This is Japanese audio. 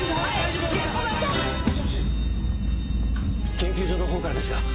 研究所のほうからですが。